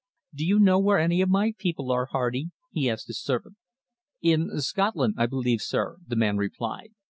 "Do you know where any of my people are. Hardy?" he asked his servant. "In Scotland, I believe, sir," the man replied.